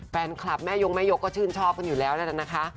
แฟนคลับแม่ยงแม่ยกก็ชื่นชอบกันอยู่แล้วนั่นนะคะ